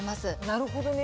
なるほどね。